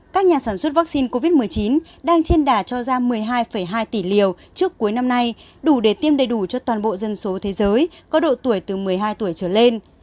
các nhà sản xuất vaccine covid một mươi chín đang trên đà cho ra một mươi hai hai tỷ liều trước cuối năm nay đủ để tiêm đầy đủ cho toàn bộ dân số thế giới có độ tuổi từ một mươi hai tuổi trở lên